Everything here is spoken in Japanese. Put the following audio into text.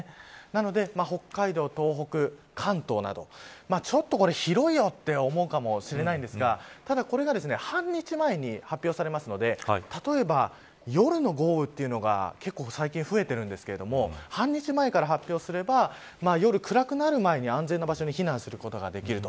なので、北海道、東北、関東などちょっと広いよと思うかもしれないんですがただ、これが半日前に発表されますので例えば、夜の豪雨というのが結構、最近増えてるんですけれども半日前から発表すれば夜、暗くなる前に安全な場所に避難することができる。